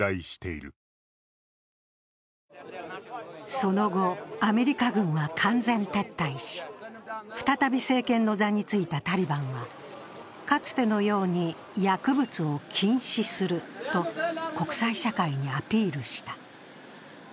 その後、アメリカ軍は完全撤退し再び政権の座についたタリバンはかつてのように薬物を禁止すると国際社会にアピールした。